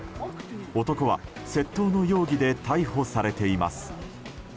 男は窃盗の容疑で逮捕されています。